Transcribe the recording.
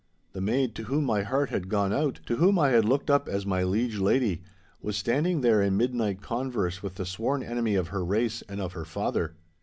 The maid to whom my heart had gone out, to whom I had looked up as my liege lady, was standing here in midnight converse with the sworn enemy of her race and of her father.